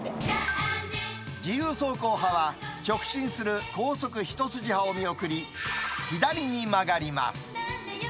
自由走行派は、直進する高速一筋派を見送り、左に曲がります。